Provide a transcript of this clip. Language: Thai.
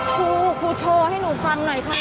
ครูครูโชว์ให้หนูฟังหน่อยค่ะ